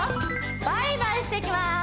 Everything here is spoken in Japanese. バイバイしていきます